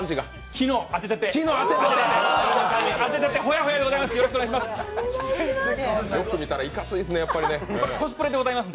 昨日、当てたて、ほやほやでございます。